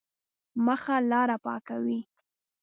مخه لاره پاکوي.